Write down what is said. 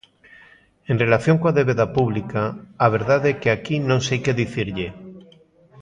En relación coa débeda pública, a verdade é que aquí non sei que dicirlle.